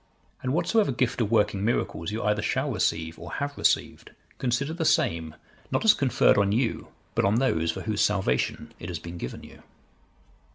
And whatsoever gift of working miracles you either shall receive, or have received, consider the same, not as conferred on you, but on those for whose salvation it has been given you."